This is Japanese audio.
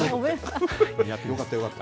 よかったよかった。